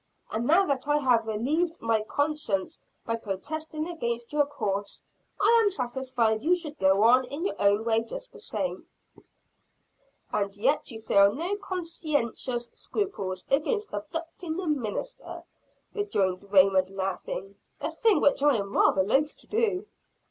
"And now that I have relieved my conscience by protesting against your course, I am satisfied you should go on in your own way just the same." "And yet you feel no conscientious scruples against abducting the minister," rejoined Raymond laughing; "a thing which I am rather loath to do."